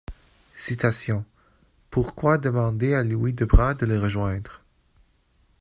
Citation|Pourquoi demander à Louis Debras de les rejoindre?